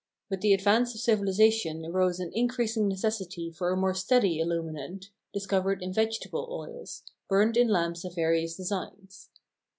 With the advance of civilisation arose an increasing necessity for a more steady illuminant, discovered in vegetable oils, burned in lamps of various designs.